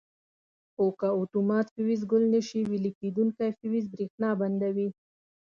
خو که اتومات فیوز ګل نه شي ویلې کېدونکي فیوز برېښنا بندوي.